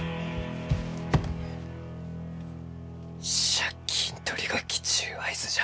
借金取りが来ちゅう合図じゃ。